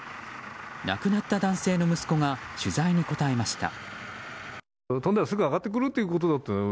亡くなった男性の息子が取材に答えました。